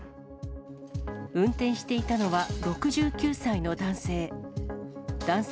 運転していたのは６９歳の男性。